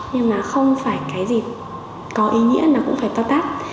nhưng mà không phải cái gì có ý nghĩa nó cũng phải to tát